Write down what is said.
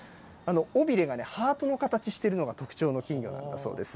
尾びれがハートの形してるのが特徴の金魚なんだそうです。